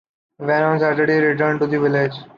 When on Saturday he returned to the village.